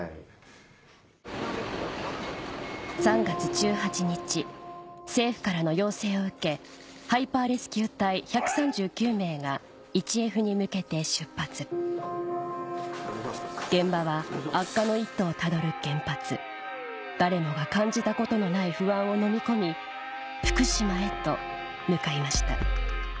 ３月１８日政府からの要請を受けハイパーレスキュー隊１３９名が１Ｆに向けて出発現場は悪化の一途をたどる原発誰もが感じたことのない不安をのみ込み福島へと向かいました